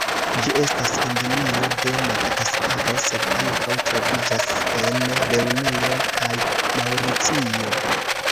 Ĝi estas endemio de Madagaskaro, sed ankaŭ troviĝas en Reunio kaj Maŭricio.